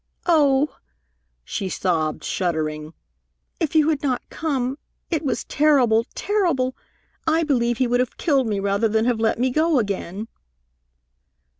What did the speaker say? "Oh!" she sobbed, shuddering. "If you had not come! It was terrible, terrible! I believe he would have killed me rather than have let me go again."